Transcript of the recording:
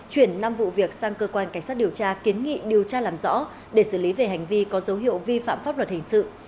chuyển năm vụ việc sang cơ quan cảnh sát điều tra kiến nghị điều tra làm rõ để xử lý về hành vi có dấu hiệu vi phạm pháp luật hình sự